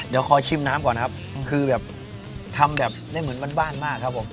เดี๋ยวขอชิมน้ำก่อนครับคือแบบทำแบบได้เหมือนบ้านมากครับผม